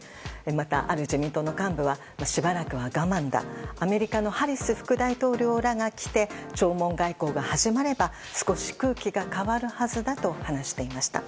また、ある自民党の幹部はしばらくは我慢だアメリカのハリス副大統領らが来て弔問外交が始まれば少し空気が変わるはずだと話していました。